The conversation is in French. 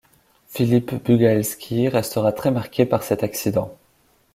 Philippe Bugalski restera très marqué par cet accident.